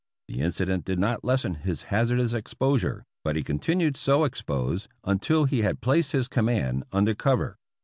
The incident did not lessen his hazardous exposure, but he continued so exposed until he had placed his com mand under cover.